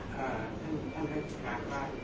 แต่ว่าไม่มีปรากฏว่าถ้าเกิดคนให้ยาที่๓๑